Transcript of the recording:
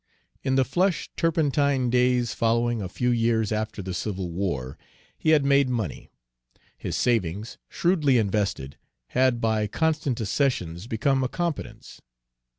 In the flush turpentine days following a few years after the civil war, he had made money. His savings, shrewdly invested, had by constant accessions become a competence.